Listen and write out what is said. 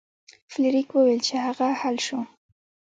فلیریک وویل چې هغه جل شو.